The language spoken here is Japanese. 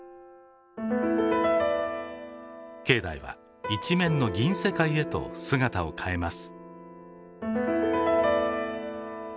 境内は一面の銀世界へと姿を変えます。